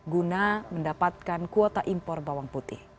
guna mendapatkan kuota impor bawang putih